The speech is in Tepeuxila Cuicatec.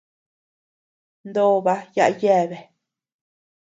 Nooba yaʼa yeabea.